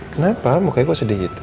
kenapa mukanya kok sedih gitu